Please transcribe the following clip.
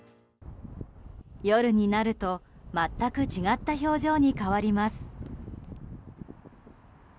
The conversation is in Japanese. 夜になると全く違った表情に変わります。